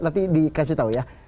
nanti dikasih tau ya